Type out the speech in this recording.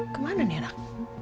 kemana nih anak